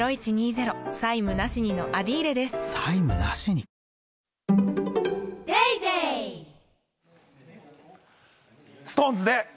ニトリＳｉｘＴＯＮＥＳで